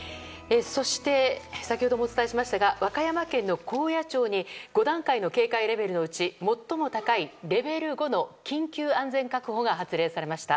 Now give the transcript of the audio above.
先ほどもお伝えしましたが和歌山県高野町に５段階の警戒レベルのうち最も高いレベル５の緊急安全確保が発令されました。